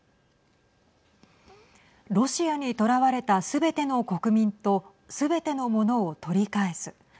ロシアにとらわれたすべての国民とすべてのものを取り返す。